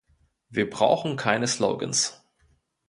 Wir brauchen keine Slogans.